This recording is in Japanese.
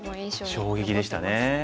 衝撃でしたね。